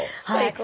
はい！